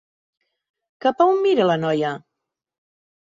Cap on mira la noia?